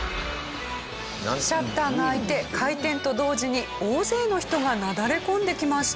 シャッターが開いて開店と同時に大勢の人がなだれ込んできました。